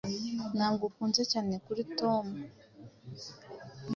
Ntabwo ukuze cyane kuri Tom